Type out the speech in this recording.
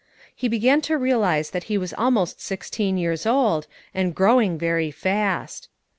He began to realize that he was almost sixteen years old, and growing very fast.